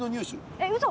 えっうそ？